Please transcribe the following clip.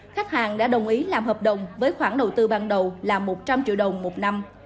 khách hàng đã đồng ý làm hợp đồng với khoản đầu tư ban đầu là một trăm linh triệu đồng một năm